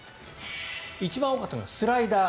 一番多かったのはスライダー。